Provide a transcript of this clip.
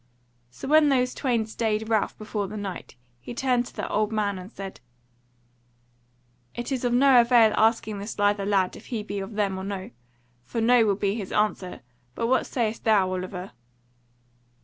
So when those twain stayed Ralph before the Knight, he turned to the old man and said: "It is of no avail asking this lither lad if he be of them or no: for no will be his answer. But what sayest thou, Oliver?"